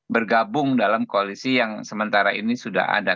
bergabung dalam koalisi yang sementara ini sudah ada